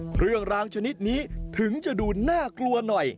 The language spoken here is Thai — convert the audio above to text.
เครื่องรางชนิดนี้ถึงจะดูน่ากลัวหน่อย